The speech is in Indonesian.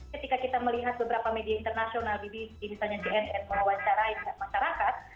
ketika kita melihat beberapa media internasional misalnya cnn mewawancarai masyarakat